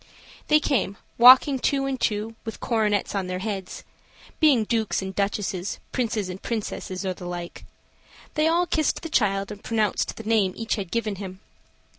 They came, walking two and two, with their coronets on their heads being dukes and duchesses, princes and princesses, or the like; they all kissed the child and pronounced the name each had given him.